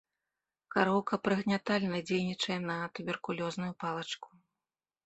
Кароўка прыгнятальна дзейнічае на туберкулёзную палачку.